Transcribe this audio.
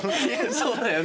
そうだよね。